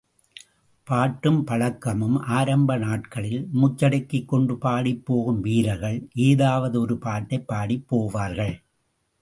பாட்டும் பழக்கமும் ஆரம்ப நாட்களில், மூச்சடக்கிக் கொண்டு பாடிப் போகும் வீரர்கள், எதாவது ஒரு பாட்டைப் பாடிப் போவார்கள்.